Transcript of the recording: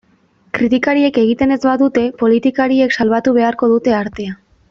Kritikariek egiten ez badute, politikariek salbatu beharko dute artea.